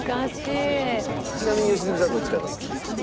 ちなみに良純さんはどちらが好きですか？